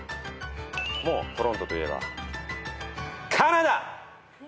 もうトロントといえば。